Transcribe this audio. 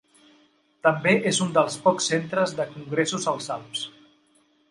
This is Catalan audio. També és un dels pocs centres de congressos als Alps.